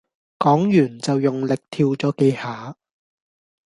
講完就用力跳咗幾下